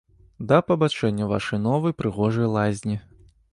Да пабачэння ў вашай новай, прыгожай лазні.